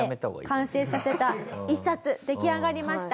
完成させた一冊出来上がりました。